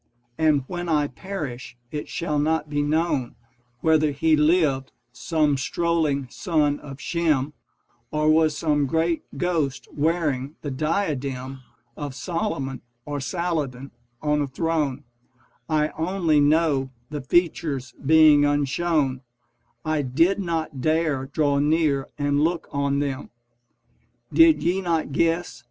And when I perish it shall not be known Whether he lived, some strolling son of Shem, Or was some great ghost wearing the diadem Of Solomon or Saladin on a throne: I only know, the features being unshown, I did not dare draw near and look on them. Did ye not guess